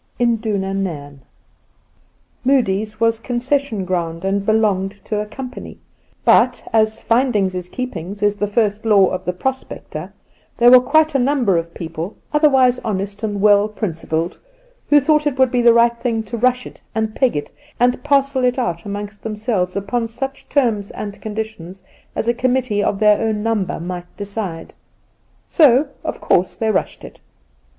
INDUNA NAIRN. 'Moodie's' was concession ground, and belonged to a company ; but as ' findings is keepings ' is the first law of the prospector, there were quite a num ber of people, otherwise honest and well principled, who tjpiought that it would be the right thing to rush it and peg it, and parcel it out among them selves upon such terms and conditions as a com mittee of their own number might decide. So of course they rushed it